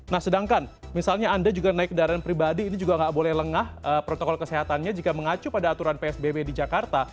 nah sedangkan misalnya anda juga naik kendaraan pribadi ini juga nggak boleh lengah protokol kesehatannya jika mengacu pada aturan psbb di jakarta